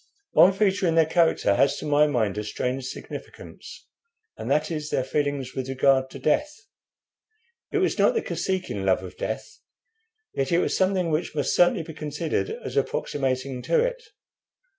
"One feature in their character has to my mind a strange significance, and that is their feelings with regard to death. It was not the Kosekin love of death, yet it was something which must certainly be considered as approximating to it.